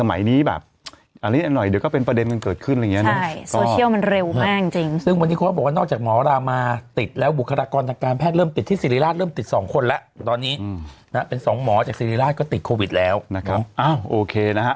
นี้แบบอันนี้หน่อยเดี๋ยวก็เป็นประเด็นกันเกิดขึ้นอะไรอย่างเงี้เนอะใช่โซเชียลมันเร็วมากจริงซึ่งวันนี้เขาก็บอกว่านอกจากหมอรามาติดแล้วบุคลากรทางการแพทย์เริ่มติดที่สิริราชเริ่มติดสองคนแล้วตอนนี้นะฮะเป็นสองหมอจากสิริราชก็ติดโควิดแล้วนะครับอ้าวโอเคนะฮะ